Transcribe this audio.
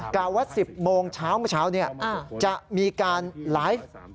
กล่าวว่า๑๐โมงเช้าเนี่ยจะมีการไลฟ์